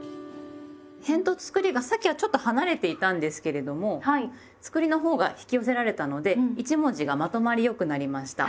へんとつくりがさっきはちょっと離れていたんですけれどもつくりのほうが引き寄せられたので一文字がまとまり良くなりました。